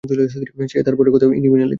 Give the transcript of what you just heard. সে তার বরের কথা ইনিয়ে-বিনিয়ে লিখবে।